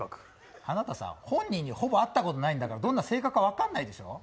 あなたさ、本人にほぼ会ったことないんだからどんな性格か分からないでしょ。